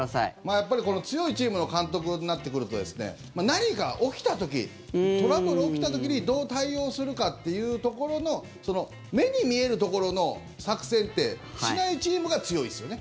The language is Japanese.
やっぱり、強いチームの監督になってくると何か起きた時トラブル起きた時にどう対応するかっていうところの目に見えるところの作戦ってしないチームが強いですよね。